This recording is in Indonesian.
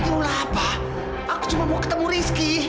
itulah apa aku cuma mau ketemu rizky